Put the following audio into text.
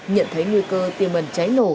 nhận thấy nguy cơ tiêu mần cháy nổ